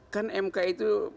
kan mk itu